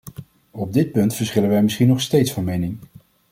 Op dit punt verschillen wij misschien nog steeds van mening.